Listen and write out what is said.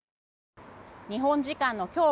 日本時間の今日